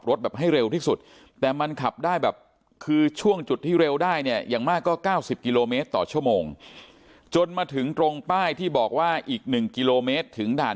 แบบให้เร็วที่สุดแต่มันขับได้แบบคือช่วงจุดที่เร็วได้เนี่ยอย่างมากก็๙๐กิโลเมตรต่อชั่วโมงจนมาถึงตรงป้ายที่บอกว่าอีก๑กิโลเมตรถึงด่าน